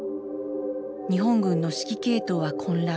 日本軍の指揮系統は混乱。